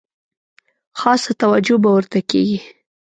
خاصه توجه به ورته کیږي.